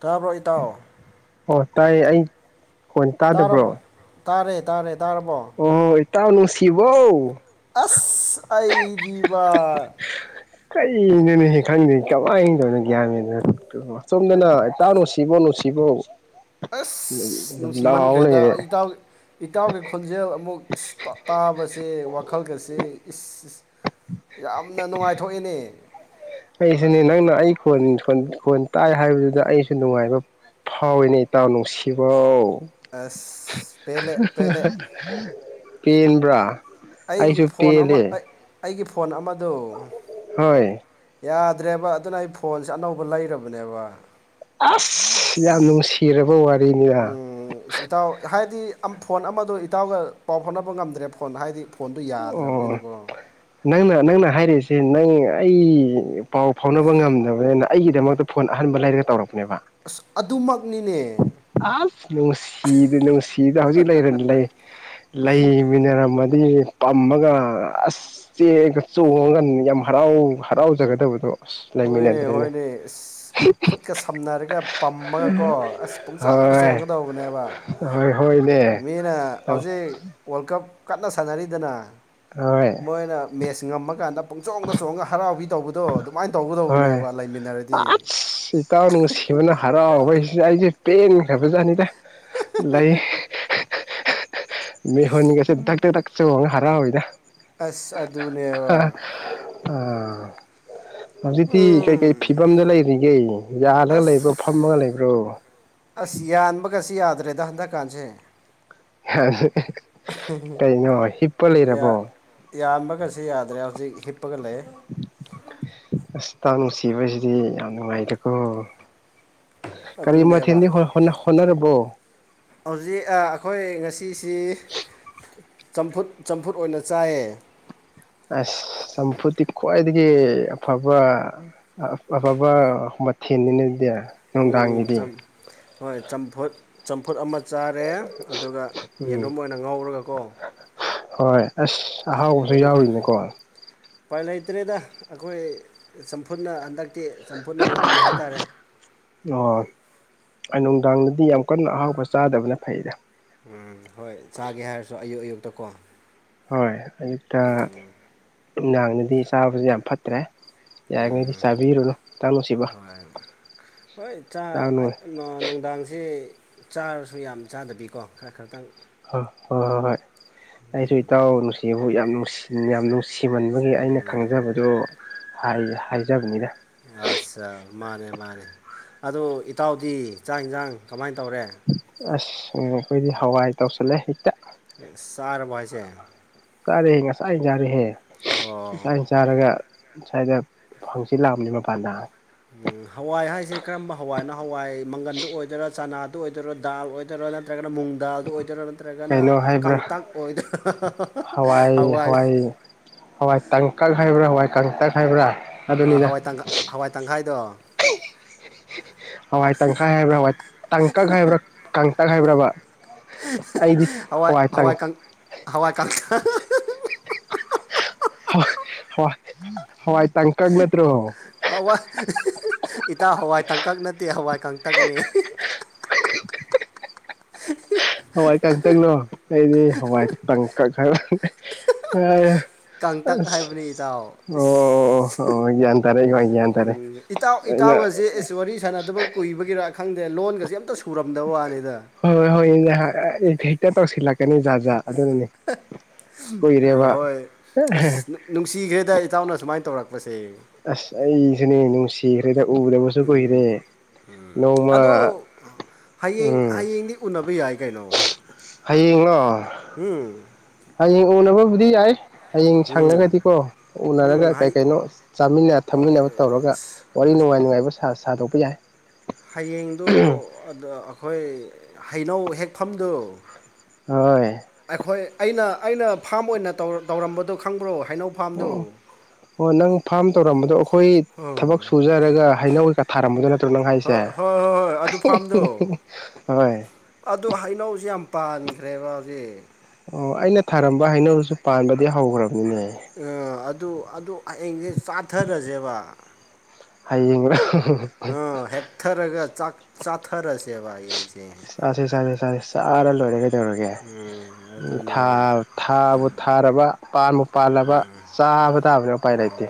ꯇꯥꯕ꯭ꯔꯣ ꯏꯇꯥꯎ ꯑꫭ ꯇꯥꯏꯌꯦ ꯑꯩ ꯈꯣꯟ ꯇꯥꯗꯕ꯭ꯔꯣ ꯇꯥ꯭ꯔꯕꯣ ꯇꯥꯔꯦ ꯇꯥꯔꯦ ꯇꯥ꯭ꯔꯕꯣ ꯑꯣ ꯏꯇꯥꯎ ꯅꯨꯡꯁꯤꯕꯧ ꯑꯁ ꯑꯩꯗꯤꯕꯥ ꯀꯩꯅꫭꯅꯦꯍꯦ ꯈꯪꯗꯦ ꯀꯃꯥꯏꯇꯧꯔꯤꯅꫭ ꯒ꯭ꯌꯥꯟ ꯃꯦꯟ [unintelligible] ꯑꯁꫭꯝꯗꯅ ꯏꯇꯥꯎ ꯅꯨꯡꯁꯤꯕꯣ ꯅꯨꯡꯁꯤꯕꯣ ꯑꯁ ꯂꯥꯎ ꯅꯨꯡꯁꯤꯃꯟꯈ꯭ꯔꯦꯗ ꯂꯩꯔꯦ ꯑꯩ ꯏꯇꯥꯎ ꯏꯇꯥꯎꯒꯤ ꯈꯣꯟꯖꯦꯜ ꯑꯃꯨꯛ ꯑ꯭ꯁ ꯇꯥꯕꯁꯦ ꯋꯥꯈꯜꯒꯁꯦ ꯏ꯭ꯁ ꯏ꯭ꯁ ꯌꯥꯝꯅ ꯅꯨꯡꯉꯥꯏꯊꯣꯛꯏꯅꯦ ꯑꯩꯁꯦꯅꯦ ꯅꯪꯅ ꯑꯩ ꯈꯣꯟ ꯈꯣꯟ ꯈꯣꯟ ꯇꯥꯏ ꯍꯥꯏꯕꯗꯨꯗ ꯑꯩꯁꯨ ꯅꯨꯡꯉꯥꯏꯕ ꯐꯥꯎꯏꯅꯦ ꯏꯇꯥꯎ ꯅꯨꯡꯁꯤꯕꯧ ꯑ꯭ꯁꯥ ꯄꯦꯂꯦ ꯄꯦꯂꯦ ꯄꯦꯟꯕ꯭ꯔꯥ ꯑꯩꯒꯤ ꯑꯩꯁꯨ ꯐꯣꯟ ꯑꯃ ꯄꯦꯜꯂꯦ ꯑꯩ ꯑꯩꯒꯤ ꯐꯣꯟ ꯑꯃꯗꯨ ꯍꯣꯏ ꯌꯥꯗ꯭ꯔꯦꯕ ꯑꯗꯨꯅ ꯑꯩ ꯐꯣꯟꯁꯦ ꯑꯅꯧꯕ ꯂꯩꯔꯕꯅꯦꯕ ꯑꯁ ꯌꯥꯝ ꯅꯨꯡꯁꯤꯔꯕ ꯋꯥꯔꯤꯅꯤꯅ ꯎꯝ ꯏꯁ ꯏꯇꯥꯎ ꯍꯥꯏꯗꯤ ꯐꯣꯟ ꯑꯃꯗꯣ ꯏꯇꯥꯎꯒ ꯄꯥꯎ ꯐꯥꯎꯅꯕ ꯉꯝꯗ꯭ꯔꯦ ꯐꯣꯟꯗ ꯍꯥꯏꯗꯤ ꯐꯣꯟꯗꯨꯣ ꯑꯣ ꯌꯥꯗ꯭ꯔꯕꯅꯤꯅꯀꯣ ꯅꯪꯅ ꯅꯪꯅ ꯍꯥꯏꯔꯤꯁꯦ ꯅꯪ ꯑꯩ ꯄꯥꯎ ꯐꯥꯎꯅꯕ ꯉꯝꯗꯕꯅꯤꯅ ꯑꯩꯒꯤꯗꯃꯛꯇ ꯐꯣꯟ ꯑꯍꯟꯥꯟꯕ ꯂꯩꯔꯒ ꯇꯧꯔꯛꯄꯅꯦꯕ ꯑꯁ ꯑꯗꯨꯃꯛꯅꯤꯅꯦ ꯑꯁ ꯅꯨꯡꯁꯤꯗ ꯅꯨꯡꯁꯤꯗ ꯍꯧꯖꯤꯛ ꯂꯩꯔꯅꯤ ꯂꯩ ꯂꯩꯃꯤꯟꯅꯔꯝꯃꯗꯤ ꯄꯝꯃꯒ ꯑꯁ ꯆꯦꯜꯂꯒ ꯆꯣꯡꯉꯒ ꯌꯥꯝ ꯍꯔꯥꯎ ꯍꯔꯥꯎꯖꯒꯗꯕꯗꯣ ꯑꯁ ꯍꯣꯏꯅꯦ ꯂꯩꯃꯤꯟꯅꯗ꯭ꯔꯦꯅꯦ ꯍꯣꯏꯅꯦ ꯑꯁ ꯈꯨꯠꯀ ꯁꯝꯅꯔꯒ ꯄꯝꯃꯒꯀꯣ ꯑꯁ ꯄꯨꯡꯆꯣꯡꯗ ꯍꯣꯏ ꯆꯣꯡꯒꯗꯧꯕꯅꯦꯕ ꯍꯣꯏ ꯍꯣꯏꯅꯦ ꯃꯤꯅ ꯍꯧꯖꯤꯛ ꯋꯥꯔꯜ ꯀꯞ ꯀꯟꯅ ꯁꯥꯟꯅꯔꯤꯗꯅ ꯍꯣꯏ ꯃꯣꯏꯅ ꯃꯦꯠꯁ ꯉꯝꯃꯀꯥꯟꯗ ꯄꯨꯡ ꯆꯣꯡꯅ ꯆꯣꯡꯒ ꯍꯔꯥꯎꯕꯤ ꯇꯧꯕꯗꯣ ꯑꯗꯨ ꯑꯗꯨꯃꯥꯏꯅ ꯍꯣꯏ ꯇꯧꯒꯗꯧꯕꯅꯦꯕ ꯂꯩꯃꯤꯟꯅꯔꯗꯤ ꯑꯁ ꯏꯇꯥꯎ ꯅꯨꯡꯁꯤꯕꯅ ꯍꯔꯥꯎꯕꯩꯁꯤ ꯑꯩꯁꯦ ꯄꯦꯟꯈ꯭ꯔꯕꯖꯥꯠꯅꯤꯗ ꯂꯩ ꯃꯤꯍꯣꯟꯒꯁꯦ ꯗꯙꯛ ꯇꯛ ꯗꯛ ꯆꯣꯡꯉ ꯍꯔꯥꯎꯋꯏꯅ ꯑꯁ ꯑꯗꯨꯅꯦꯕ ꯑꯥ ꯍꯧꯖꯤꯛꯇꯤ ꯀꯩꯀꯩ ꯎꯝ ꯐꯤꯕꯝꯗ ꯂꯩꯔꯤꯒꯦ ꯌꯥꯔꯒ ꯑꯁ ꯂꯩꯕ ꯐꯝꯃꯒ ꯂꯩꯕ꯭ꯔꯣ ꯑꯁ ꯌꯥꯟꯕꯒꯁꯤ ꯌꯥꯗ꯭ꯔꯦꯗ ꯍꯟꯗꯛꯀꯥꯟꯁꯦ ꯀꯩꯅꯣ ꯍꯤꯞꯄ ꯂꯩꯔꯕꯣ ꯌꯥꯝꯕꯒꯁꯤ ꯌꯥꯗ꯭ꯔꯦ ꯍꯧꯖꯤꯛ ꯍꯤꯞꯄꯒ ꯂꯩ ꯑꯁ ꯏꯇꯥꯎ ꯅꯨꯡꯁꯤꯕꯁꯤꯗꯤ ꯌꯥꯝ ꯅꯨꯡꯉꯥꯏꯗꯦꯀꯣ ꯀꯔꯤ ꯑꯗꯨꯅꯦꯕ ꯃꯊꯦꯟꯗꯤ ꯍ ꯍꯣꯠꯅꯔꯕꯣ ꯍꯧꯖꯤꯛ ꯑꯩꯈꯣꯏ ꯉꯁꯤꯁꯤ ꯆꯝꯐꯨꯠ ꯆꯝꯐꯨꯠ ꯑꯣꯏꯅ ꯆꯥꯏꯌꯦ ꯑꯁ ꯆꯝꯐꯨꯠꯇꯤ ꯈ꯭ꯋꯥꯏꯗꯒꯤ ꯑꯐꯕ ꯑꯐꯕ ꯃꯊꯦꯜꯅꯤꯅꯦ ꯑꯗꯨꯗꯤ ꯎꯝ ꯅꯨꯡꯗꯥꯡꯒꯤꯗꯤ ꯍꯣꯏ ꯆꯝꯐꯨ ꯆꯝꯐꯨꯠ ꯑꯃ ꯆꯥꯔꯦ ꯑꯗꯨꯒ ꯎꯝ ꯌꯦꯟꯔꯨꯝ ꯑꯣꯏꯅ ꯉꯧꯔꯒꯀꯣ ꯍꯣꯏ ꯑꯁ ꯑꯍꯥꯎꯕꯁꯨ ꯌꯦꯝ ꯌꯥꯎꯔꯤꯅꯦꯀꯣ ꯎꯄꯥꯏ ꯂꯩꯇ꯭ꯔꯦꯗ ꯑꯩꯈꯣꯏ ꯆꯝꯐꯨꯠꯅ ꯍꯟꯗꯛꯇꯤ ꯆꯝꯐꯨꯠꯅ ꯉꯝꯃꯦ ꯍꯥꯏꯇꯥꯔꯦ ꯑꯣ ꯑꯩ ꯅꯨꯡꯗꯥꯡꯗꯗꯤ ꯌꯥꯝ ꯀꯟꯅ ꯑꯍꯥꯎꯕ ꯆꯥꯗꯕꯅ ꯐꯩꯗ ꯎꯝ ꯍꯣꯏ ꯆꯥꯒꯦ ꯍꯥꯏꯔꯁꯨ ꯑꯌꯨꯛ ꯑꯌꯨꯛꯇ ꯀꯣ ꯍꯣꯏ ꯑꯌꯨꯛꯇ ꯅꯨꯡꯗꯥꯡꯗꯗꯤ ꯆꯥꯕꯁꯦ ꯌꯥꯝ ꯐꯠ ꯠꯇ꯭ꯔꯦ ꯌꯥꯔꯤꯈꯩꯗꯤ ꯎꯝ ꯆꯥꯕꯤꯔꯨꯅꯨ ꯏꯇꯥꯎ ꯅꯨꯡꯁꯤꯕ ꯍꯣꯏ ꯍꯣꯏ ꯆ ꯏꯇꯥꯎ ꯍꯣꯏ ꯅꯨꯡꯗꯥꯡꯁꯦ ꯆꯥꯔꯁꯨ ꯌꯥꯝ ꯆꯥꯗꯕꯤꯀꯣ ꯈꯔ ꯈꯔꯇꯪ ꯑ ꯍꯣꯏ ꯍꯣꯏ ꯍꯣꯏ ꯑꯩꯁꯨ ꯏꯇꯥꯎ ꯅꯨꯡꯁꯤꯕꯨ ꯌꯥꯝ ꯅꯨꯡꯁꯤ ꯌꯥꯝ ꯅꯨꯡꯁꯤ ꯁꯤꯃꯟꯕꯒꯤ ꯑꯩꯅ ꯎꯝ ꯈꯪꯖꯕꯗꯨ ꯍꯥꯏꯖꯕꯅꯤꯗ ꯑꯠꯆꯥ ꯃꯥꯅꯦ ꯃꯥꯅꯦ ꯑꯣ ꯏꯇꯥꯎꯗꯤ ꯆꯥꯛ ꯌꯦꯟꯁꯥꯡ ꯀꯃꯥꯏꯅ ꯇꯧꯔꯦ ꯑꯁ ꯎ ꯑꯩꯈꯣꯏꯗꯤ ꯍꯋꯥꯏ ꯇꯧꯁꯤꯜꯂꯦ ꯍꯦꯛꯇ ꯆꯥꯔꯕꯣ ꯍꯥꯏꯖꯦ ꯆꯥꯔꯦꯍꯦ ꯉꯁꯥꯏꯅ ꯆꯥꯔꯦꯍꯦ ꯑꯣ ꯉꯁꯥꯏꯅ ꯆꯥꯔꯒ ꯁ꯭ꯋꯥꯏꯗ ꯍꯥꯡꯆꯤꯠ ꯂꯥꯡꯕꯅꯦ ꯃꯄꯥꯟꯗ ꯍꯋꯥꯏ ꯍꯥꯏꯁꯦ ꯀꯔꯝꯕ ꯍꯋꯥꯏꯅꯣ ꯍꯋꯥꯏ ꯃꯪꯒꯟꯗꯨ ꯑꯣꯏꯗꯣꯏꯔꯥ ꯆꯅꯥꯗ ꯑꯣꯏꯗꯣꯏꯔꯥ ꯗꯥꯜ ꯑꯣꯏꯗꯣꯏꯔꯥ ꯅꯠꯇ꯭ꯔꯒꯅ ꯃꯨꯡꯗꯥꯜꯗꯨ ꯑꯣꯏꯗꯣꯏꯔꯥ ꯅꯠꯇ꯭ꯔꯒꯅ ꯀꯩꯅꯣ ꯍꯥꯏꯕ꯭ꯔꯥ ꯀꯥꯡꯇꯛ ꯑꯣꯏꯗꯣꯏꯔ ꯍꯋꯥꯏ ꯍꯋꯥꯏ ꯇꯡꯀꯛ ꯍꯥꯏꯕ꯭ꯔꯥ ꯍꯋꯥꯏ ꯀꯥꯡꯇꯛ ꯍꯥꯏꯕ꯭ꯔꯥ ꯑ ꯑꯗꯨꯅꯤꯗ ꯍꯋꯥꯏ ꯇ ꯍꯋꯥꯏ ꯇꯪꯈꯥꯏꯗꯣ ꯍꯋꯥꯏ ꯇꯪꯈꯥꯏ ꯍꯥꯏꯕ꯭ꯔꯥꯕ ꯇꯡꯀꯛ ꯍꯥꯏꯕ꯭ꯔꯥ ꯀꯥꯡꯇꯛ ꯍꯥꯏꯕ꯭ꯔꯕ ꯑꯩꯗꯤ ꯍꯋꯥꯏ ꯇꯪ ꯍꯋꯥꯏ ꯀꯥꯡꯊꯛ ꯍ ꯍꯋꯥꯏ ꯍꯋꯥꯏ ꯇꯡꯀꯛ ꯅꯠꯇ꯭ꯔꯣ ꯍꯋꯥ ꯏꯇꯥꯎ ꯍꯋꯥꯏ ꯇꯡꯀꯛ ꯅꯠꯇꯦ ꯍꯋꯥꯏ ꯀꯥꯡꯇꯛꯅꯦ ꯍꯋꯥꯏ ꯀꯥꯡꯇꯛꯂꯣ ꯑꯩꯗꯤ ꯍꯋꯥꯏ ꯇꯡꯀꯛ ꯍꯥꯏ ꯋꯥꯏꯌꯦ ꯀꯪꯇꯛ ꯑꯁ ꯍꯥꯏꯕꯅꯤ ꯏꯇꯥꯎ ꯑꯣ ꯑꯣ ꯒ꯭ꯌꯥꯟ ꯇꯥꯔꯦ ꯒ꯭ꯌꯥꯟ ꯇꯥꯔꯦ ꯎꯝ ꯏꯇꯥꯎ ꯑꯩꯅ ꯏꯇꯥꯎꯒꯁꯦ ꯑꯦꯁ ꯋꯥꯔꯤ ꯁꯥꯟꯅꯗꯕ ꯀꯨꯏꯕꯒꯤꯔꯥ ꯈꯪꯗꯦ ꯂꯣꯟꯒꯁꯦ ꯑꯝꯇ ꯁꯨꯔꯝꯗꯕ ꯋꯥꯅꯤꯗ ꯍꯣꯏ ꯍꯣꯏꯗꯤ ꯍꯥꯏ ꯍꯦꯛꯇ ꯇꯧꯁꯤꯜꯂꯛꯀꯅꯤ ꯖꯥꯠ ꯖꯥꯠ ꯑꯗꯨꯅꯦ ꯑꯥ ꯍꯣꯏ ꯑꯁ ꯅꯨꯡꯁꯤꯈ꯭ꯔꯦꯗ ꯏꯇꯥꯎꯅ ꯁꯨꯃꯥꯏꯅ ꯇꯧꯔꯛꯄꯁꯦ ꯑꯁ ꯑꯩꯁꯨꯅꯦ ꯅꯨꯡꯁꯤ ꯊꯤꯈ꯭ꯔꯦꯗ ꯎꯗꯕꯁꯨ ꯀꯨꯏꯈ꯭ꯔꯦ ꯅꯣꯡꯃ ꯑꯗꯣ ꯍꯌꯦꯡ ꯎꯝ ꯍꯌꯦꯡꯗꯤ ꯎꯅꯕ ꯌꯥꯏ ꯀꯩꯅꯣ ꯍꯌꯦꯡꯂꯣ ꯎꯝ ꯍꯌꯦꯡ ꯎꯅꯕꯕꯨꯗꯤ ꯌꯥꯏ ꯍꯌꯦꯡ ꯎꯝ ꯁꯪꯉꯒꯗꯤꯀꯣ ꯎꯝ ꯎꯅꯔꯒ ꯀꯩ ꯍꯩ ꯀꯩꯅꯣ ꯆꯥꯃꯤꯟꯅ ꯍꯣꯏ ꯊꯛꯃꯤꯟꯅꯕ ꯇꯧꯔꯒ ꯑꯁ ꯋꯥꯔꯤ ꯅꯨꯡꯉꯥꯏ ꯅꯨꯡꯉꯥꯏꯕ ꯁꯥꯗꯣꯛꯄ ꯌꯥꯏ ꯍꯌꯦꯡꯗꯨ ꯑꯗꯨ ꯑꯩꯈꯣꯏ ꯍꯩꯅꯧ ꯍꯦꯛꯐꯝꯗꯨ ꯍꯣꯏ ꯑꯩꯈꯣꯏ ꯑꯩꯅ ꯑꯩꯅ ꯐꯥꯝ ꯑꯣꯏꯅ ꯇꯧꯔꯝꯕꯗꯣ ꯈꯪꯕ꯭ꯔꯣ ꯍꯩꯅꯧ ꯐꯥꯝꯗꯣ ꯑꯣ ꯑꯣ ꯅꯪ ꯐꯥꯝ ꯇꯧꯔꯝꯕꯗꯣ ꯑꯈꯣꯏ ꯍꯣꯏ ꯊꯕꯛ ꯁꯨꯖꯔꯒ ꯍꯩꯅꯧ ꯆ ꯊꯥꯔꯝꯕꯗꯣ ꯅꯠꯇ꯭ꯔꯣ ꯅꯪ ꯍꯥꯏꯁꯦ ꯍꯣꯏ ꯍꯣꯏ ꯍꯣꯏ ꯑꯗꯨ ꯍꯣꯏ ꯑꯗꯣ ꯍꯩꯅꯧꯁꯦ ꯌꯥꯝ ꯄꯥꯟꯈ꯭ꯔꯦꯕ ꯍꯧꯖꯤꯛ ꯑꯣ ꯑꯩꯅ ꯊꯥꯔꯝꯕ ꯍꯩꯅꯧꯁꯨ ꯄꯥꯟꯕꯗꯤ ꯍꯧꯈ꯭ꯔꯕꯅꯤꯅꯦ ꯑ ꯑꯗꯨ ꯑꯗꯨ ꯍꯌꯦꯡꯁꯦ ꯆꯥꯊꯔꯁꯦꯕ ꯍꯌꯦꯡꯔꯥ ꯑꯥ ꯍꯦꯛꯊꯔꯒꯥ ꯆꯥꯊꯔꯁꯦꯕ ꯍꯥꯌꯦꯡꯁꯦ ꯆꯥꯁꯦ ꯆꯥꯁꯦ ꯆꯥꯁꯦ ꯆꯔꯥ ꯂꯣꯏꯔꯦ ꯀꯩ ꯀꯩꯗꯧꯔꯒꯦ ꯎꯝ ꯑꯗꯨꯅꯦꯕ ꯊꯥꯕꯨ ꯊꯥꯔꯕ ꯄꯥꯥꯟꯕꯨ ꯄꯥꯜꯂꯕ ꯆꯥꯕ ꯇꯥꯕꯅꯦ ꯎꯄꯥꯏ ꯂꯩꯇꯦ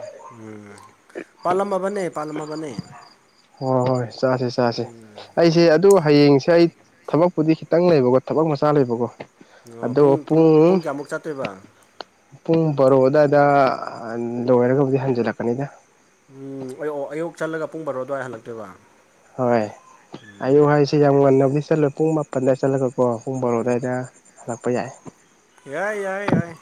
ꯄꯥꯥꯜꯂꯝꯃꯕꯅꯦ ꯄꯥꯜꯂꯝꯃꯕꯅꯦ ꯍꯣꯏ ꯍꯣꯏ ꯆꯥꯁꯦ ꯆꯥꯁꯦ ꯑꯩꯁꯦ ꯑꯗꯨ ꯍꯌꯦꯡꯁꯦ ꯑꯩ ꯊꯕꯛꯄꯨꯗꯤ ꯈꯤꯇꯪ ꯂꯩꯕꯀꯣ ꯊꯕꯛ ꯃꯆꯥ ꯂꯩꯕꯀꯣ ꯑꯣ ꯄꯨꯡꯃꯨꯛ ꯄꯨꯡ ꯀꯌꯥꯃꯨꯛ ꯆꯠꯇꯣꯏꯕ ꯄꯨꯡ ꯕꯥꯔꯣ ꯑꯗꯋꯥꯏꯗ ꯂꯣꯏꯔꯒꯕꯨꯗꯤ ꯍꯟꯖꯜꯂꯛꯀꯅꯤꯗ ꯎꯝ ꯑꯩꯌꯨꯛ ꯆꯠꯂꯒ ꯄꯨꯡ ꯕꯥꯔꯣ ꯑꯗꯨꯋꯥꯏ ꯍꯜꯂꯛꯇꯣꯏꯕ ꯍꯣꯏ ꯑꯌꯨꯛ ꯍꯥꯏꯁꯦ ꯌꯥꯝ ꯉꯟꯅꯕꯨꯗꯤ ꯆꯠꯂꯣꯏ ꯄꯨꯡ ꯃꯥꯄꯟꯗꯥꯏ ꯆꯂꯒꯀꯣ ꯄꯨꯡ ꯕꯥꯔꯣ ꯑꯗꯨꯋꯥꯏꯗ ꯍꯜꯂꯛꯄꯥ ꯌꯥꯏ ꯌꯥꯏ ꯌꯥꯏ ꯌꯥꯏ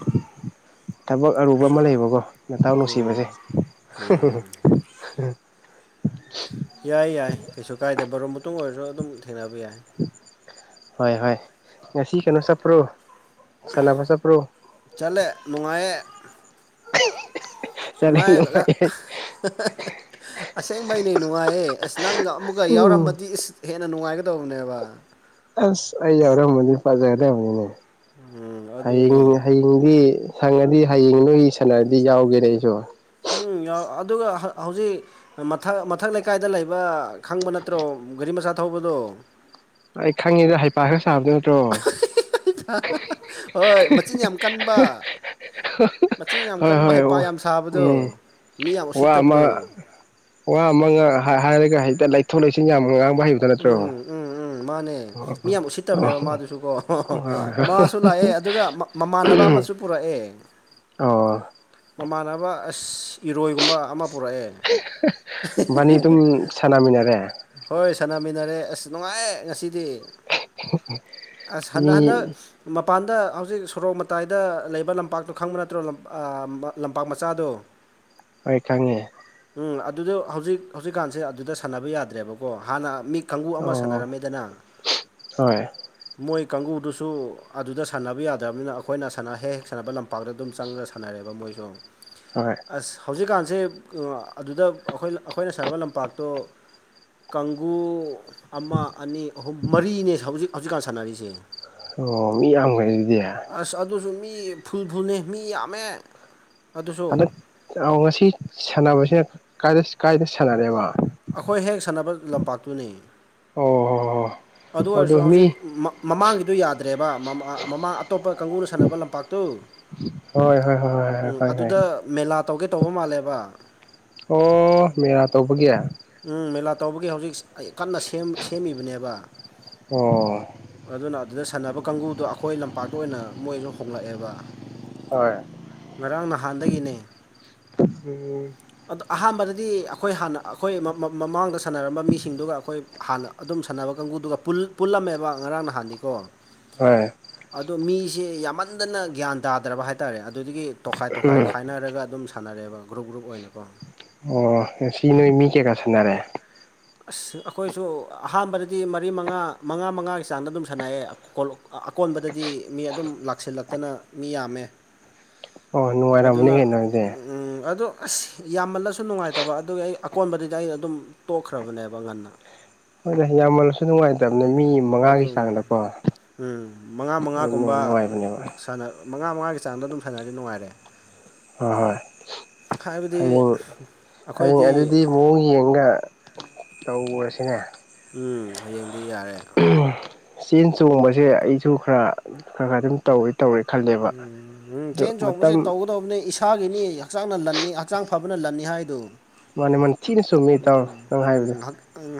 ꯊꯕꯛ ꯑꯔꯨꯕ ꯍꯩ ꯑꯃ ꯂꯩꯕꯀꯣ ꯅꯇꯥꯎ ꯎꯝ ꯅꯨꯡꯁꯤꯕꯁꯦ [unintelligible] ꯌꯥꯏ ꯌꯥꯏ ꯀꯩꯁꯨ ꯀꯥꯏꯗꯦ ꯕꯔꯣ ꯃꯇꯨꯡ ꯑꯣꯏꯔꯁꯨ ꯑꯗꯨꯝ ꯊꯦꯡꯅꯕ ꯌꯥꯏ ꯍꯣꯏ ꯍꯣꯏ ꯉꯁꯤ ꯀꯩꯅꯣ ꯆꯠꯄ꯭ꯔꯣ ꯁꯥꯟꯅꯕ ꯆꯠꯄ꯭ꯔꯣ ꯆꯠꯂꯦ ꯅꯨꯡꯉꯥꯏꯌꯦ ꯆꯠꯂꯦ ꯅꯨꯉꯥꯏꯕꯒꯥ ꯅꯨꯡꯉꯥꯏ [unintelligible] ꯑꯁꯦꯡꯕꯩꯅꯦ ꯅꯨꯡꯉꯥꯏꯌꯦ ꯑꯁ ꯅꯪꯒ ꯑꯃꯨꯛꯀ ꯎꯝ ꯌꯥꯎꯔꯝꯃꯗꯤ ꯏꯁ ꯍꯦꯟꯅ ꯅꯨꯡꯉꯥꯏꯒꯗꯧꯕꯅꯦꯕ ꯑꯁ ꯑꯩ ꯌꯥꯎꯔꯝꯃꯗꯤ ꯐꯖꯒꯗꯕꯅꯤꯅꯦ ꯎꯝ ꯍꯌꯦꯡ ꯑꯗꯨꯅꯦ ꯍꯌꯦꯡ ꯗꯤ ꯁꯪꯉꯗꯤ ꯍꯌꯦꯡ ꯅꯣꯏꯒꯤ ꯁꯥꯟꯅꯔꯗꯤ ꯌꯥꯎꯒꯦꯅꯦ ꯑꯩꯁꯨ ꯎꯝ ꯌꯥꯎ ꯑꯗꯨꯒ ꯍꯧꯖꯤꯛ ꯃꯊꯛ ꯃꯊꯛ ꯂꯩꯀꯥꯏꯗ ꯂꯩꯕ ꯈꯪꯕ ꯅꯠꯇ꯭ꯔꯣ ꯒꯥꯔꯤ ꯃꯆꯥ ꯊꯧꯕꯗꯣ ꯑꯩ ꯈꯪꯉꯤꯗ ꯍꯩꯄꯥꯥ ꯈꯔ ꯁꯥꯕꯗꯨ ꯅꯠꯇ꯭ꯔꯣ ꯍꯣꯏ ꯃꯆꯤꯟ ꯌꯥꯝ ꯀꯟꯕ ꯃꯆꯤꯟ ꯌꯥꯝ ꯍꯣꯏ ꯀꯟꯕ ꯍꯣꯏ ꯑꯣ ꯍꯩꯄꯥꯥ ꯌꯥꯝ ꯁꯥꯕꯗꯣ ꯎꯝ ꯃꯤ ꯌꯥꯝ ꯋꯥ ꯑꯃ ꯎꯁꯤꯠꯇꯕꯗꯣ ꯋꯥ ꯑꯃ ꯉ ꯍꯥꯏꯔꯒ ꯍꯦꯛꯇ ꯂꯩꯊꯣꯛ ꯂꯩꯁꯤꯟ ꯌꯥꯝ ꯉꯥꯡꯕ ꯍꯩꯕ ꯎꯝ ꯎꯝ ꯎꯝ ꯃꯥꯅꯦ ꯃꯤ ꯌꯥꯝ ꯎꯁꯤꯠꯇꯕꯅꯦꯕ ꯑꯣ ꯃꯥꯗꯨꯁꯨ ꯀꯣ ꯍꯣꯏ ꯍꯣꯏ ꯃꯥꯁꯨ ꯂꯥꯛꯑꯦ ꯑꯗꯨꯒ ꯃꯃꯥꯟꯅꯕ ꯑꯃꯁꯨ ꯄꯨꯔꯛꯑꯦ ꯑꯣ ꯃꯃꯥꯟꯅꯕ ꯑꯁ ꯏꯔꯣꯏꯒꯨꯝꯕ ꯑꯃ ꯄꯨꯔꯛꯑꯦ ꯕꯥꯅꯤ ꯑꯗꯨꯝ ꯁꯥꯟꯅꯃꯤꯟꯅꯔꯦ ꯍꯣꯏ ꯁꯥꯟꯅꯃꯤꯟꯅꯔꯦ ꯑꯁ ꯅꯨꯡꯉꯥꯏꯌꯦ ꯉꯁꯤꯗꯤ ꯑꯁ ꯃꯤ ꯍꯟꯗꯛ ꯍꯟꯗꯛ ꯃꯄꯥꯟꯗ ꯍꯧꯖꯤꯛ ꯁꯣꯔꯣꯛ ꯃꯇꯥꯏꯗ ꯂꯩꯕ ꯂꯝꯄꯥꯛꯇꯣ ꯈꯪꯕ ꯅꯠꯇ꯭ꯔꯣ ꯑ ꯂꯝꯄꯥꯛ ꯃꯆꯥꯗꯣ [inaudible] ꯍꯣꯏ ꯈꯪꯉꯦ ꯎꯝ ꯑꯗꯨꯗꯣ ꯍꯧꯖꯤꯛ ꯍꯧꯖꯤꯛꯀꯥꯟꯁꯦ ꯑꯗꯨꯗ ꯁꯥꯟꯅꯕ ꯌꯥꯗ꯭ꯔꯦꯕꯀꯣ ꯍꯥꯟꯅ ꯃꯤ ꯀꯥꯡꯒꯨ ꯑꯃ ꯑꯣ ꯁꯥꯟꯅꯔꯝꯃꯦꯗꯅ ꯍꯣꯏ ꯃꯣꯏ ꯀꯥꯡꯒꯨꯗꯨꯁꯨ ꯑꯗꯨꯗ ꯁꯥꯟꯅꯕ ꯌꯥꯗ꯭ꯔꯕꯅꯤꯅ ꯑꯈꯣꯏꯅ ꯁꯥꯟꯅ ꯍꯦꯛ ꯍꯦꯛ ꯁꯥꯟꯅꯕ ꯂꯝꯄꯥꯛꯇ ꯑꯗꯨꯝ ꯆꯪꯉꯒꯥ ꯁꯅꯥ ꯔꯦꯕ ꯃꯣꯏꯁꯨ ꯍꯣꯏ ꯑꯁ ꯍꯧꯖꯤꯛꯀꯥꯟꯁꯦ ꯑꯗꯨꯗ ꯑꯈꯣꯏ ꯑꯈꯣꯏꯅ ꯁꯥꯟꯅꯕ ꯂꯝꯄꯥꯛꯇꯣ ꯀꯥꯡꯒꯨ ꯑꯃ ꯑꯅꯤ ꯑꯍꯨꯝ ꯃꯔꯤꯅꯦ ꯍꯧꯖꯤꯛ ꯍꯧꯖꯤꯛꯀꯥꯟ ꯁꯥꯟꯅꯔꯤꯁꯦ ꯑꯣ ꯃꯤ ꯌꯥꯝꯒ꯭ꯔꯦ ꯑꯗꯨꯗꯤ ꯑꯁ ꯑꯗꯨꯁꯨ ꯃꯤ ꯐꯨꯜ ꯐꯨꯜꯅꯦ ꯃꯤ ꯌꯥꯝꯃꯦ ꯑꯗꯨꯁꯨ ꯍꯟꯗꯛ ꯑ ꯉꯁꯤ ꯁꯥꯟꯅꯕꯁꯦ ꯀꯥꯏꯗ ꯀꯥꯏꯗ ꯁꯥꯟꯅꯔꯦꯕ ꯑꯈꯣꯏ ꯍꯦꯛ ꯁꯥꯟꯅꯕ ꯂꯝꯄꯥꯛꯇꯨꯅꯦ ꯑꯣ ꯍꯣ ꯍꯣ ꯑꯗꯨ ꯑꯣꯏꯔꯁꯨ ꯍꯧꯖꯤꯛ ꯃꯃꯥꯡꯒꯤꯗꯨ ꯌꯥꯗ꯭ꯔꯦꯕ ꯃꯃꯥꯡ ꯑꯇꯣꯞꯄ ꯀꯥꯡꯒꯨꯅ ꯁꯥꯟꯅꯕ ꯂꯝꯄꯥꯛꯇꯨ [unintelligible] ꯍꯣꯏ ꯍꯣꯏ ꯍꯣꯏ ꯍꯣꯏ ꯍꯣꯏ ꯎꯝ ꯈꯪꯉꯦ ꯑꯗꯨꯗ ꯈꯪꯉꯦ ꯃꯦꯂꯥ ꯇꯧꯒꯦ ꯇꯧꯕ ꯃꯥꯜꯂꯦꯕ ꯑꯣ ꯃꯦꯂꯥ ꯇꯧꯕꯒꯤ ꯎꯝ ꯃꯦꯂꯥ ꯇꯧꯕꯒꯤ ꯍꯧꯖꯤꯛ ꯀꯟꯅ ꯁꯦꯝ ꯁꯦꯝꯃꯤꯕꯅꯦꯕ ꯍꯣꯏ ꯎꯝ ꯑꯗꯨꯅ ꯑꯗꯨꯗ ꯁꯥꯟꯅꯕ ꯀꯥꯡꯒꯨꯗꯣ ꯑꯈꯣꯏ ꯂꯝꯄꯥꯛꯇ ꯑꯣꯏꯅ ꯃꯣꯏꯁꯨ ꯍꯣꯡꯂꯛꯑꯦꯕ ꯉꯔꯥꯡ ꯅꯍꯥꯟꯗꯒꯤꯅꯤ ꯑꯗꯣ ꯑꯍꯥꯟꯕꯗꯗꯤ ꯑꯈꯣꯏ ꯍꯥꯟꯅ ꯑꯈꯣꯏ ꯃ ꯃꯃꯥꯡꯗ ꯁꯥꯟꯅꯔꯝꯕ ꯃꯤꯁꯤꯡꯗꯨꯒ ꯑꯈꯣꯏ ꯍꯥꯟꯅ ꯑꯗꯨꯝ ꯁꯥꯟꯅꯕ ꯀꯥꯡꯒꯨꯗꯨꯒ ꯄꯨꯜ ꯄꯨꯜꯂꯝꯃꯦꯕ ꯉꯔꯥꯡ ꯅꯍꯥꯟꯗꯤꯀꯣ ꯍꯣꯏ ꯑꯗꯣ ꯃꯤꯁꯦ ꯌꯥꯝꯃꯟꯗꯅ ꯒ꯭ꯌꯥꯟ ꯇꯥꯗ꯭ꯔꯕ ꯍꯥꯏꯇꯥꯔꯦ ꯑꯗꯨꯗꯨꯒꯤ ꯇꯣꯈꯥꯏ ꯇꯣꯈꯥꯏ ꯈꯥꯏꯅꯔꯒ ꯑꯗꯨꯝ ꯁꯥꯟꯅꯔꯦꯕ ꯒ꯭ꯔꯨꯞ ꯒ꯭ꯔꯨꯞ ꯑꯣꯏꯅꯀꯣ ꯑꯣ ꯉꯁꯤ ꯅꯣꯏ ꯃꯤ ꯀꯌꯥ ꯀꯌꯥ ꯁꯥꯟꯅꯔꯦ ꯑꯁ ꯑꯈꯣꯏꯁꯨ ꯑꯍꯥꯟꯕꯗꯗꯤ ꯃꯔꯤ ꯃꯉꯥ ꯃꯉꯥ ꯃꯉꯥꯒꯤ ꯆꯥꯡꯗ ꯑꯗꯨꯝ ꯁꯥꯟꯅꯩꯌꯦ ꯑꯀꯣꯜ ꯑꯀꯣꯟꯕꯗꯗꯤ ꯃꯤ ꯑꯗꯨꯝ ꯂꯥꯛꯁꯤꯜꯂꯛꯇꯅ ꯃꯤ ꯌꯥꯝꯃꯦ ꯑꯣ ꯅꯨꯡꯉꯥꯏꯔꯝꯃꯅꯤ ꯑꯗꯨꯅ ꯀꯩꯅꯣ ꯑꯗꯨꯗꯤ ꯎꯝ ꯎꯝ ꯑꯗꯣ ꯑꯁ ꯌꯥꯝꯃꯜꯂꯁꯨ ꯅꯨꯡꯉꯥꯏꯇꯕ ꯑꯗꯨꯒꯤ ꯑꯩ ꯑꯀꯣꯟꯕꯗꯨꯗꯤ ꯑꯩ ꯑꯗꯨꯝ ꯇꯣꯛꯈ꯭ꯔꯦ ꯄ꯭ꯔꯥꯕꯅꯦꯂꯕ ꯉꯥꯟꯅ ꯍꯣꯏ ꯌꯥꯝꯃꯜꯂꯁꯨ ꯅꯨꯡꯉꯥꯏꯇꯕꯅꯦ ꯃꯤ ꯃꯉꯥꯒꯤ ꯑꯗꯨꯝ ꯆꯥꯡꯗꯀꯣ ꯎꯝ ꯃꯉꯥ ꯃꯉꯥꯒꯨꯝꯕ ꯅꯨꯡꯉꯥꯏꯕꯅꯦꯕ ꯃꯉꯥ ꯃꯉꯥꯒꯤ ꯆꯥꯡꯗ ꯑꯗꯨꯝ ꯁꯥꯟꯅꯔꯗꯤ ꯅꯨꯡꯉꯥꯏꯔꯦ ꯍꯣꯏ ꯍꯣꯏ ꯍꯥꯏꯕꯗꯤ ꯍꯌꯦꯡ ꯍꯌꯦꯡ ꯑꯩꯈꯣꯏꯗꯤ ꯑꯗꯨꯗꯤ ꯑꯃꯨꯛ ꯌꯦꯡꯒ ꯇꯧꯔꯁꯤꯅꯦ ꯎꯝ ꯍꯌꯦꯡꯗꯤ ꯌꯥꯔꯦ ꯆꯦꯟ ꯆꯣꯡꯕꯁꯦ ꯑꯩꯁꯨ ꯈꯔ ꯈꯔ ꯈꯔ ꯑꯗꯨꯝ ꯇꯧꯋꯤ ꯇꯧꯔꯦ ꯈꯜꯂꯦꯕ ꯑꯗꯣ ꯃꯇꯝ ꯝꯅꯦ ꯏꯁ ꯁꯥꯥꯒꯤꯅꯤ ꯍꯛꯆꯥꯡꯅ ꯂꯟꯅꯤ ꯍꯛꯆꯥꯡ ꯐꯕꯅ ꯂꯟꯅꯤ ꯍꯥꯏꯗꯨ ꯃꯥꯅꯦ ꯃꯥ ꯊꯤꯅ ꯁꯨꯝꯃꯦ ꯇꯧꯔꯣ ꯅꯪ ꯎꯝ ꯍꯥꯏꯕꯗꯨꯣ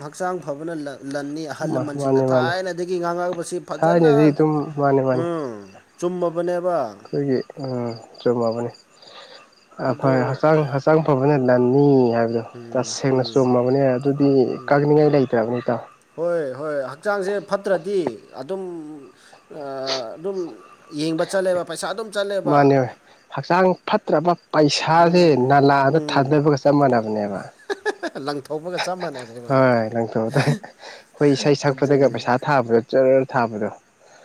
ꯍꯛꯆꯥꯡ ꯐꯕꯅ ꯂꯟꯅꯤ ꯑꯍꯜ ꯂꯃꯟꯁꯤꯡꯅ ꯃꯥꯅꯦ ꯃꯥꯅꯦ ꯊꯥꯏꯅꯗꯒꯤ ꯉꯥꯡꯉꯛꯄꯁꯤ ꯐꯖꯅ ꯊꯥꯏꯅꯗꯤ ꯑꯗꯨꯝ ꯃꯥꯅꯦ ꯃꯥꯅꯦ ꯎꯝ ꯆꯨꯝꯃꯕꯅꯦꯕ ꯑꯩꯈꯣꯏꯒꯤ ꯆꯨꯝꯃꯕꯅꯤ ꯑꯗꯣ ꯍꯛꯆꯥꯡ ꯆꯪ ꯐꯕꯅ ꯂꯟꯅꯤ ꯍꯥꯏꯕꯗꯣ ꯇꯁꯦꯡꯅ ꯎꯝ ꯆꯨꯝꯃꯕꯅꯦ ꯑꯗꯨꯗꯤ ꯀꯥꯅꯤꯡꯉꯥꯏ ꯂꯩꯇ꯭ꯔꯕꯅꯤꯇꯣ ꯍꯣꯏ ꯍꯣꯏ ꯍꯛꯆꯥꯡꯁꯦ ꯐꯠꯇ꯭ꯔꯗꯤ ꯑꯗꯨꯝ ꯑꯗꯨꯝ ꯌꯦꯡꯕ ꯆꯠꯂꯦꯕ ꯄꯩꯁꯥ ꯑꯗꯨꯝ ꯆꯠꯂꯦꯕ ꯃꯥꯅꯦ ꯍꯛꯆꯥꯡ ꯐꯠꯇ꯭ꯔꯕ ꯄꯩꯁꯥꯁꯦ ꯅꯂꯥꯗ ꯊꯥꯗꯕꯒ ꯆꯞ ꯃꯥꯟꯅꯕꯅꯦꯕ ꯂꯪꯊꯣꯛꯧꯕꯒ ꯆꯞ ꯃꯥꯟꯅꯩ ꯍꯣꯏ ꯂꯪꯊꯣꯛꯑꯗ ꯑꯩꯈꯣꯏ ꯏꯁꯩ ꯁꯛꯄꯗꯒ ꯑꯗꯨꯅꯤ ꯄꯩꯁꯥ ꯊꯥꯕꯗꯣ ꯆꯔ ꯊꯥꯕꯗꯣ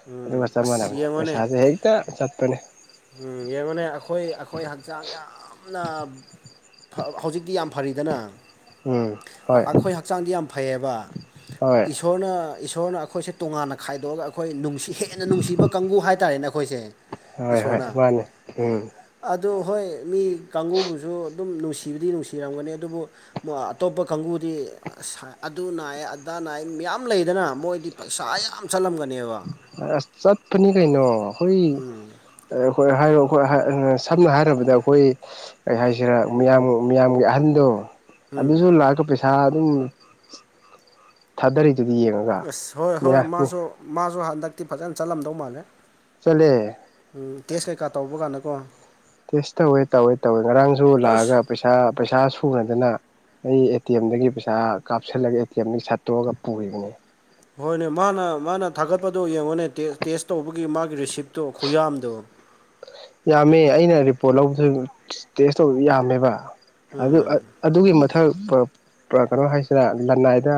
ꯎꯝ ꯑꯗꯨꯒ ꯆꯞ ꯑꯁ ꯃꯥꯟꯅꯕꯅꯦ ꯌꯦꯡꯉꯣꯅꯦ ꯄꯩꯁꯥꯁꯦ ꯍꯦꯛꯇ ꯆꯠꯄꯅꯦ ꯎꯝ ꯌꯦꯡꯉꯨꯅꯦ ꯑꯩꯈꯣꯏ ꯑꯩꯈꯣꯏ ꯍꯛꯆꯥꯡ ꯌꯥꯝꯅ ꯍꯧꯖꯤꯛꯇꯤ ꯌꯥꯝ ꯐꯔꯤꯗꯅ ꯎꯝ ꯍꯣꯏ ꯑꯩꯈꯣꯏ ꯍꯛꯆꯥꯡꯗꯤ ꯌꯥꯝ ꯐꯩꯌꯦꯕ ꯍꯣꯏ ꯏꯁꯣꯔꯅ ꯏꯁꯣꯔꯅ ꯑꯩꯈꯣꯏꯁꯦ ꯇꯣꯉꯥꯟꯅ ꯈꯥꯏꯗꯣꯛꯑꯒ ꯑꯩꯈꯣꯏ ꯅꯨꯡꯁꯤ ꯍꯦꯟꯅ ꯅꯨꯡꯁꯤꯕ ꯀꯥꯡꯒꯕꯨ ꯍꯥꯏꯇꯥꯔꯦꯅꯦꯈꯣꯏ ꯀꯣꯏꯁꯦ ꯍꯣꯏ ꯍꯣꯏ ꯃꯥꯅꯦ ꯎꯝ ꯑꯗꯨ ꯍꯣꯏ ꯃꯤ ꯀꯥꯡꯕꯨꯕꯨꯁꯨ ꯑꯗꯨꯝ ꯅꯨꯡꯁꯤꯕꯗꯤ ꯅꯨꯡꯁꯤꯔꯝꯒꯅꯤ ꯑꯗꯨꯕꯨ ꯑꯇꯣꯞꯄ ꯀꯥꯡꯕꯨꯗꯤ ꯑꯁ ꯑꯗꯨ ꯅꯥꯏꯌꯦ ꯑꯗꯥ ꯅꯥꯏ ꯃꯌꯥꯝ ꯂꯩꯗꯅ ꯃꯣꯏꯗꯤ ꯄꯩꯁꯥ ꯌꯥꯝ ꯆꯠꯂꯝꯒꯅꯦꯕ ꯑꯁ ꯆꯠꯄꯅꯤ ꯀꯩꯅꯣ ꯑꯩꯈꯣꯏ ꯎꯝ ꯑꯩꯈꯣꯏ ꯍꯥꯏꯔꯣ ꯑꯩꯈꯣꯏ ꯁꯝꯅ ꯍꯥꯏꯔꯕꯗ ꯑꯩꯈꯣꯏ ꯀꯩ ꯍꯥꯏꯁꯤꯔꯥ ꯃꯤꯌꯥꯝ ꯃꯤꯌꯥꯝꯒꯤ ꯑꯍꯟꯗꯣ ꯎꯝ ꯑꯗꯨꯁꯨ ꯂꯥꯛꯑꯒ ꯄꯩꯁꯥ ꯑꯗꯨꯝ ꯊꯥꯗꯔꯤꯗꯨꯒꯤ ꯌꯦꯡꯉꯒ ꯑꯁ ꯍꯣꯏ ꯍꯣꯏ ꯃꯤꯌꯥꯝ ꯃꯥꯁꯨ ꯃꯥꯁꯨ ꯍꯟꯗꯛꯇꯤ ꯐꯖꯅ ꯆꯠꯂꯝꯗꯧ ꯃꯥꯜꯂꯦ ꯆꯂꯦ ꯎꯝ ꯇꯦꯁ ꯀꯩꯀꯥ ꯇꯧꯕ ꯀꯥꯟꯗꯀꯣ ꯇꯦꯁ ꯇꯧꯋꯦ ꯇꯧꯋꯦ ꯇꯧꯋꯦ ꯉꯔꯥꯡꯁꯨ ꯑꯁ ꯂꯥꯛꯑꯒ ꯄꯩꯁꯥ ꯄꯩꯁꯥ ꯁꯨꯅꯗꯅ ꯑꯩ ꯑꯦ ꯇꯤ ꯑꯦꯝꯗꯒꯤ ꯄꯩꯁꯥ ꯀꯥꯞꯁꯤꯜꯂꯒ ꯑꯦ ꯇꯤ ꯑꯦꯝꯗꯒꯤ ꯁꯠꯇꯣꯛꯑꯒ ꯄꯨꯔꯤꯕꯅꯦ ꯍꯣꯏꯅꯦ ꯃꯥꯅ ꯃꯥꯅ ꯊꯥꯒꯠꯄꯗꯣ ꯌꯦꯡꯉꯨꯅꯦ ꯇꯦꯁ ꯇꯧꯕꯒꯤ ꯃꯥꯒꯤ ꯔꯤꯁꯤꯞꯇꯣ ꯈꯨꯌꯥꯝꯗꯣ ꯌꯥꯝꯃꯦ ꯑꯩꯅ ꯔꯤꯄꯣꯔꯠ ꯂꯧꯕꯗꯨ ꯇꯦꯁ ꯇꯧꯕ ꯌꯥꯝꯃꯦꯕ ꯑꯗꯨ ꯎꯝ ꯑꯗꯨꯒꯤ ꯃꯊꯛ ꯀꯩꯅꯣ ꯍꯥꯏꯁꯤꯅ ꯂꯅꯥꯏꯗ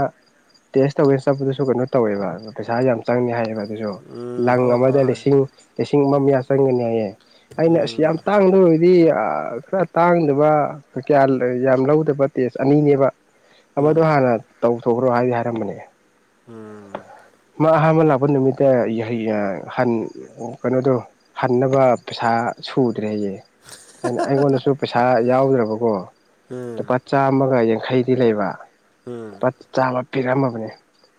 ꯇꯦꯁ ꯇꯧꯒꯦꯁ ꯆꯠꯄꯗꯨꯁꯨ ꯀꯩꯅꯣ ꯇꯧꯋꯦꯕ ꯄꯩꯁꯥ ꯌꯥꯝ ꯆꯪꯉꯤ ꯍꯥꯏꯌꯦꯕ ꯑꯗꯨꯁꯨ ꯎꯝ ꯂꯪ ꯍꯣꯏ ꯍꯣꯏ ꯑꯃꯗ ꯍꯣꯏ ꯂꯤꯁꯤꯡ ꯂꯤꯁꯤꯡ ꯑꯃ ꯃꯌꯥ ꯆꯪꯒꯅꯤ ꯍꯥꯏꯌꯦ ꯑꯩꯅ ꯑꯁ ꯎꯝ ꯌꯥꯝ ꯇꯥꯡꯕ ꯑꯣꯏꯗꯤ ꯌꯥ ꯈꯔ ꯇꯥꯡꯗꯕ ꯀꯌꯥ ꯂꯩ ꯌꯥꯝ ꯂꯧꯗꯕ ꯇꯦꯁ ꯑꯅꯤꯅꯦꯕ ꯑꯃꯗꯣ ꯎꯝ ꯍꯥꯟꯅ ꯇꯧꯊꯣꯛꯈ꯭ꯔꯣ ꯍꯥꯏꯗꯤ ꯍꯥꯏꯔꯝꯕꯅꯦ ꯎꯝ ꯃꯥ ꯑꯍꯥꯟꯕ ꯂꯥꯛꯄ ꯅꯨꯃꯤꯠꯇ [unintelligible] ꯍꯟ ꯀꯩꯅꯣꯗꯣ ꯍꯟꯅꯕ ꯄꯩꯁꯥ ꯁꯨꯗ꯭ꯔꯦꯌꯦ ꯑꯩꯅ ꯑꯩꯉꯣꯟꯗꯁꯨ ꯄꯩꯁꯥ ꯌꯥꯎꯗ꯭ꯔꯕꯀꯣ ꯎꯝ ꯂꯨꯄꯥ ꯆꯥꯝꯃꯒ ꯌꯥꯡꯈꯩꯗꯤ ꯂꯩꯕ ꯎꯝ ꯆꯥꯝꯃꯥ ꯄꯤꯔꯝꯃꯕꯅꯦ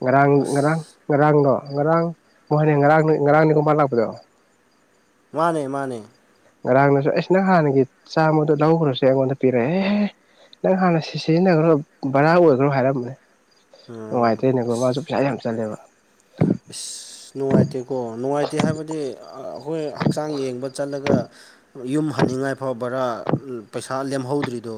ꯉꯔꯥꯡ ꯑꯁ ꯉꯔꯥꯡ ꯉꯔꯥꯡꯗꯣ ꯉꯔꯥꯡ ꯃꯣꯏꯅꯦ ꯉꯔꯥꯡ ꯉꯔꯥꯡ ꯅꯤꯀꯣ ꯃꯥ ꯂꯥꯛꯄꯗꯣ ꯃꯥꯅꯦ ꯃꯥꯅꯦ ꯉꯔꯥꯡꯅꯁꯨ ꯑꯩꯁ ꯅ ꯍꯥꯟꯅꯒꯤ ꯆꯥꯝꯃꯗꯨ ꯂꯧꯈ꯭ꯔꯁꯦ ꯑꯩꯉꯣꯟꯗ ꯄꯤꯔꯛꯑꯦ ꯅꯪ ꯍꯥꯟꯅ ꯁꯤ ꯁꯤꯖꯤꯟꯅꯒ꯭ꯔꯣ ꯕꯔꯥ ꯑꯣꯏꯒ꯭ꯔꯣ ꯍꯥꯏꯔꯝꯕꯅꯦ ꯎꯝ ꯅꯨꯡꯉꯥꯏꯇꯦꯅꯦꯀꯣ ꯃꯥꯁꯨ ꯑꯁ ꯄꯩꯁꯥ ꯌꯥꯝ ꯆꯜꯂꯦꯕ ꯏꯁ ꯅꯨꯡꯉꯥꯏꯇꯦꯀꯣ ꯅꯨꯡꯉꯥꯏꯇꯦ ꯍꯥꯏꯕꯗꯤ ꯑꯥ ꯍꯣꯏ ꯍꯛꯆꯥꯡ ꯌꯦꯡꯕ ꯆꯠꯂꯒ ꯌꯨꯝ ꯍꯟꯅꯤꯡꯉꯥꯏ ꯐꯥꯎ ꯕꯔꯥ ꯄꯩꯁꯥ ꯂꯦꯝꯍꯧꯗ꯭ꯔꯤꯗꯣ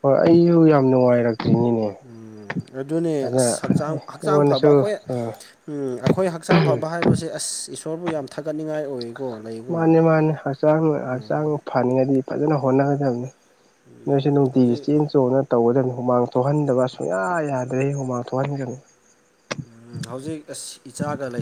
ꯍꯣꯏ ꯑꯩꯖꯨ ꯌꯥꯝ ꯅꯨꯡꯉꯥꯏꯔꯛꯇ꯭ꯔꯤꯅꯤꯅꯦ ꯎꯝ ꯑꯗꯨꯅꯦ ꯑꯗꯨꯅ ꯑꯁ ꯍꯛꯆꯥꯡ ꯍꯛꯆꯥꯡ ꯐꯕ ꯑꯩꯉꯣꯟꯗꯁꯨ ꯑꯩꯈꯣꯏ ꯑꯥ ꯎꯝ ꯑꯩꯈꯣꯏ ꯍꯛꯆꯥꯡ ꯐꯕ ꯍꯥꯏꯕꯁꯦ ꯑꯁ ꯏꯁꯣꯔꯕꯨ ꯌꯥꯝ ꯊꯥꯒꯠꯅꯤꯡꯉꯥꯏ ꯑꯣꯏ ꯃꯥꯅꯦ ꯃꯥꯅꯦ ꯍꯛꯆꯥꯡ ꯍꯛꯆꯥꯡ ꯐꯅꯤꯡꯉꯗꯤ ꯐꯖꯅ ꯍꯣꯠꯅꯗꯝꯅꯦ ꯅꯣꯏꯁꯨ ꯅꯨꯡꯇꯤꯒꯤ ꯍꯧꯖꯤꯛ ꯆꯦꯟ ꯆꯣꯡꯅ ꯇꯧꯒꯗꯝꯅꯦ ꯍꯨꯃꯥꯡ ꯊꯣꯛꯍꯟꯗꯕ ꯁꯨꯡꯌꯥ ꯌꯥꯗ꯭ꯔꯦ ꯍꯨꯃꯥꯡ ꯊꯣꯛꯍꯟꯒꯅꯤ ꯎꯝ ꯍꯧꯖꯤꯛ ꯑꯁ ꯏꯆꯥꯒ ꯂꯩꯁ